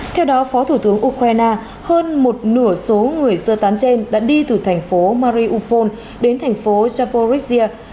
theo đó phó thủ tướng ukraine hơn một nửa số người sơ tán trên đã đi từ thành phố mariphone đến thành phố japorisia